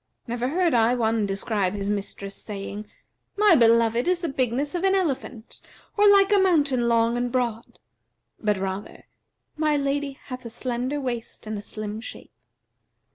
Never heard I one describe his mistress, saying, 'My beloved is the bigness of an elephant or like a mountain long and broad;' but rather, 'My lady hath a slender waist and a slim shape.'